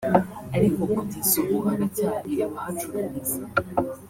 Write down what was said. ariko kugeza ubu haracyari abahacururiza